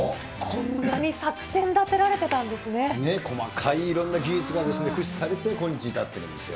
こんなに作戦立てられてたんね、細かいいろんな技術が駆使されて、今日に至ってるんですよ。